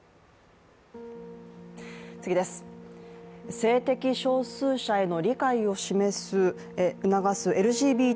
性的少数者への理解を促すＬＧＢＴ